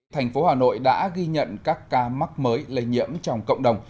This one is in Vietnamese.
thành phố hà nội đã ghi nhận các ca mắc mới lây nhiễm trong cộng đồng